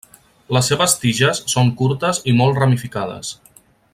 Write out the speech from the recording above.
Les seves tiges són curtes i molt ramificades.